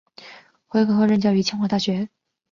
回国后任教于清华大学。